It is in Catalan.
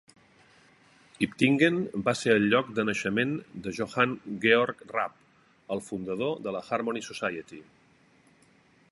Iptingen va ser el lloc de naixement de Johann Georg Rapp, el fundador de la Harmony Society.